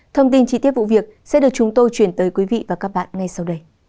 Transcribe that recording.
thông tin trí tiết vụ việc sẽ được chúng tôi chuyển tới quý vị và các bạn ngay sau đây